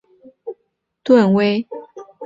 圣文森特和格林纳丁斯国徽为盾徽。